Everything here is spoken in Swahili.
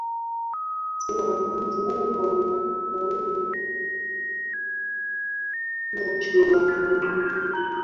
ati wananchi wanataka huyu bwana aondoke na mimi ninachoamini